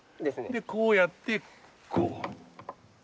でこうやってこう。